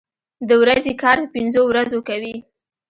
د ورځې کار په پنځو ورځو کوي.